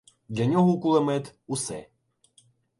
Для нього кулемет — усе.